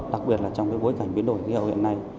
đặc biệt là trong cái bối cảnh biến đổi khí hậu hiện nay